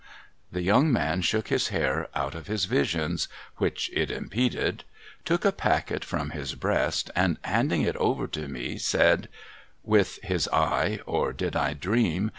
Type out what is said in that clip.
The young man shook his hair out of his vision,^ — which it impeded, — took a packet from his breast, and handing it over to me, said, with his eye (or did I dream?)